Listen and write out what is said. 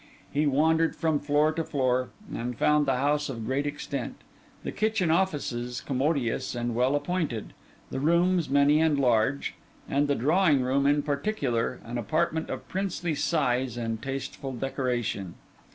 He wandered from floor to floor, and found the house of great extent; the kitchen offices commodious and well appointed; the rooms many and large; and the drawing room, in particular, an apartment of princely size and tasteful decoration.